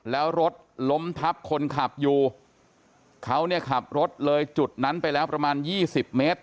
แล้วรถล้มทับคนขับอยู่เขาเนี่ยขับรถเลยจุดนั้นไปแล้วประมาณยี่สิบเมตร